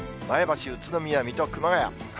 前橋、宇都宮、水戸、熊谷。